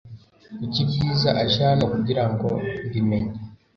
Kuki Bwiza aje hano kugirango mbi menye